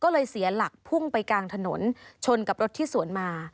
ก็เลยเสียหลักพุ่งไปกลางถนนชนกับรถที่สวนมา